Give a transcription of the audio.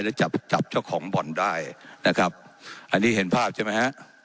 แล้วจับจับเจ้าของบ่อนได้นะครับอันนี้เห็นภาพใช่ไหมฮะ